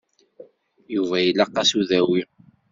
Yuba ilaq-as udawi.